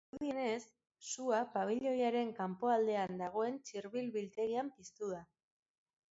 Dirudienez, sua pabilioiaren kanpoaldean dagoen txirbil biltegian piztu da.